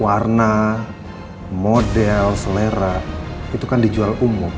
warna model selera itu kan dijual umum